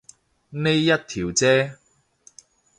呢一條啫